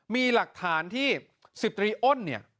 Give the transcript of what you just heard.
มีหลักฐานที่๑๐ตรีอ้นเนี่ย